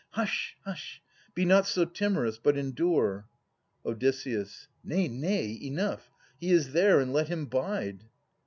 Hush, hush ! Be not so timorous, but endure. Od. Nay, nay ! Enough. He is there, and let him bide.